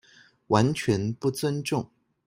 完全不尊重